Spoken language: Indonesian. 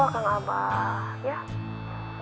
akang abah ya